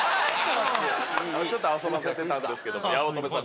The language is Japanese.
ちょっと遊ばせてたんですけど八乙女さん